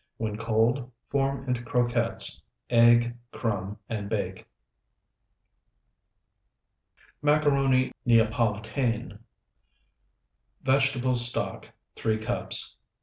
When cold, form into croquettes, egg, crumb, and bake. MACARONI NEAPOLITAINE Vegetable stock, 3 cups.